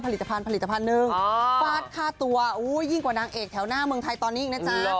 ผลิตภัณฑ์ผลิตภัณฑ์หนึ่งฟาสค่าตัวยิ่งกว่านางเอกแถวหน้าเมืองไทยตอนนี้นะจ๊ะ